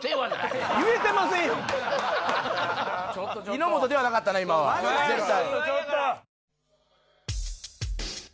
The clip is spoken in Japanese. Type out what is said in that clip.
井本ではなかったな今は絶対。